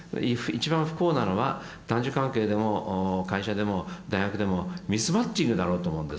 一番不幸なのは男女関係でも会社でも大学でもミスマッチングだろうと思うんですね。